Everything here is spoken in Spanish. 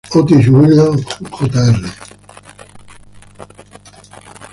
Otis Williams, Jr.